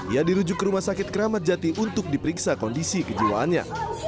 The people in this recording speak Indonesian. ia dirujuk ke rumah sakit keramat jati untuk diperiksa kondisi kejiwaannya